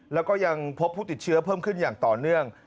แล้วก็ยังพบผู้ติดเชื้อเพิ่มขึ้นอย่างต่อเนื่อง